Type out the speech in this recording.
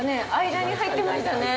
間に入ってましたね。